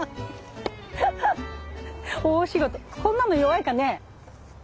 こんなの弱いかね？